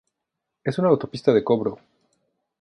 Es una autopista de cobro.